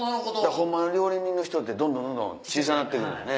ホンマの料理人の人ってどんどん小さなってくんですね。